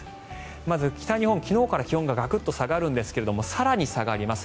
まず北日本、昨日から気温がガクッと下がるんですが更に下がります。